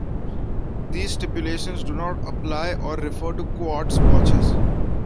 These stipulations do not apply or refer to quartz watches.